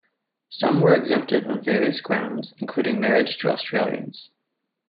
Some were exempted on various grounds, including marriage to Australians.